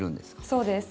そうです。